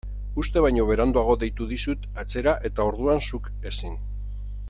Uste baino beranduago deitu dizut atzera eta orduan zuk ezin.